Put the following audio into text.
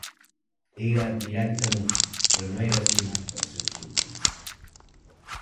Era admirat i temut, però no era estimat pels seus súbdits.